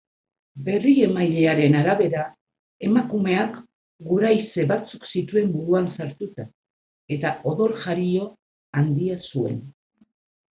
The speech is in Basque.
Berriemailearen arabera, emakumeak guraize batzuk zituen buruan sartuta eta odoljario handia zuen.